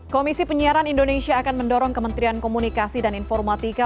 komisi penyiaran indonesia akan mendorong kementerian komunikasi dan informatika